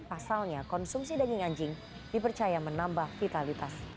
pasalnya konsumsi daging anjing dipercaya menambah vitalitas